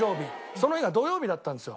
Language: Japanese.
その日が土曜日だったんですよ。